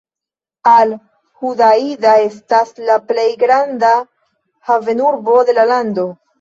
Al-Hudaida estas la plej granda havenurbo de la lando.